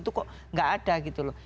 itu kok nggak ada gitu loh